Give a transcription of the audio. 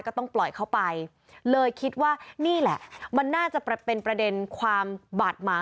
ก็ต้องปล่อยเข้าไปเลยคิดว่านี่แหละมันน่าจะเป็นประเด็นความบาดหมาง